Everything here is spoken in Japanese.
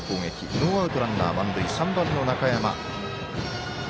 ノーアウト、ランナー満塁３番の中山。